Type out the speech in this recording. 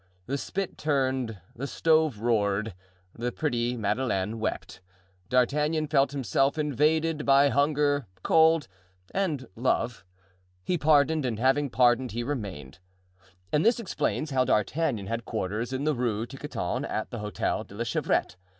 The spit turned, the stove roared, the pretty Madeleine wept; D'Artagnan felt himself invaded by hunger, cold and love. He pardoned, and having pardoned he remained. And this explains how D'Artagnan had quarters in the Rue Tiquetonne, at the Hotel de la Chevrette.